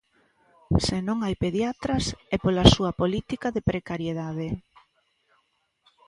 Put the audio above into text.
Se non hai pediatras é pola súa política de precariedade.